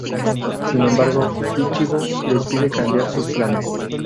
Sin embargo, Ichigo les hizo cambiar sus planes.